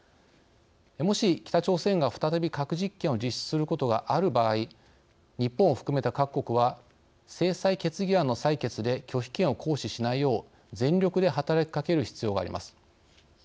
もし北朝鮮が再び核実験を実施することがある場合日本を含めた各国は制裁決議案の採決で拒否権を行使しないよう全力で働きかける必要があります。